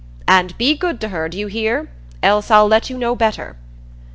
"And be good to her, do you hear? Else I'll let you know better."